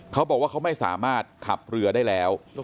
เขาบอกว่าเขาไม่สามารถขับเรือได้แล้ว